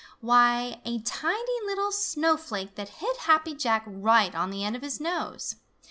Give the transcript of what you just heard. Why, a tiny little snowflake that hit Happy Jack right on the end of his nose!